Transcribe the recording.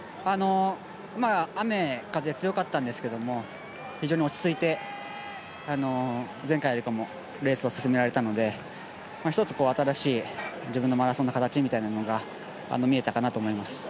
雨・風強かったんですけれども、非常に落ち着いて前回よりかレースを進められたので少し新しい自分のマラソンの形が見えたかなと思います。